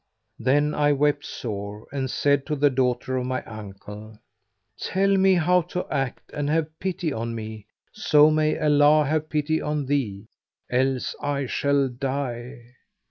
Then I wept sore and said to the daughter of my uncle, "Tell me how to act and have pity on me, so may Allah have pity on thee: else I shall die."